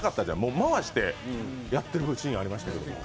回してやってる雰囲気ありましたけど。